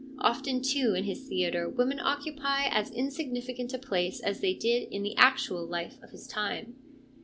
Often, too, in his theatre women occupy as insfgni ficant a place as they did in the actual life of his time.